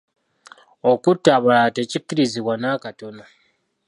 Okutta abalala tekikkirizibwa nakatono.